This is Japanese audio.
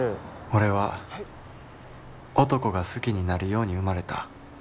「俺は男が好きになるように生まれた。